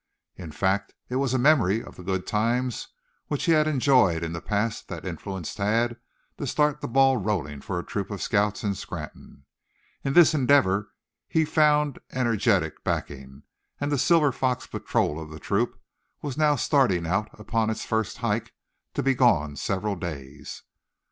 In fact, it was a memory of the good times which he had enjoyed in the past that influenced Thad to start the ball rolling for a troop of scouts in Scranton. In this endeavor he had found energetic backing; and the Silver Fox Patrol of the troop was now starting out upon its first hike, to be gone several days.